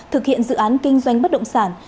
thực hiện dự án kinh doanh bất động sản